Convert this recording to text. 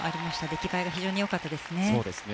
出来栄えが非常に良かったですね。